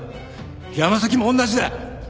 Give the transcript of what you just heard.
山崎も同じだ！